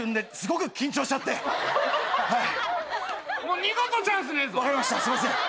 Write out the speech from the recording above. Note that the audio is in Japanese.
はい！